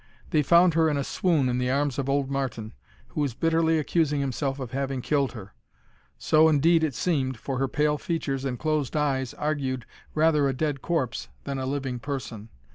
They found her in a swoon in the arms of old Martin, who was bitterly accusing himself of having killed her; so indeed it seemed, for her pale features and closed eyes argued rather a dead corpse than a living person.